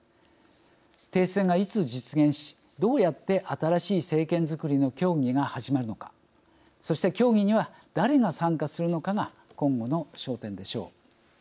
停戦がいつ実現しどうやって新しい政権づくりの協議が始まるのかそして協議には誰が参加するのかが今後の焦点でしょう。